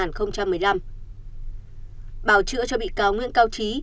báo chữa cho bị cảo nguyễn cao trí